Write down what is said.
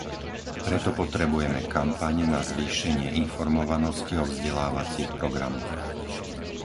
Preto potrebujeme kampane na zvýšenie informovanosti o vzdelávacích programoch.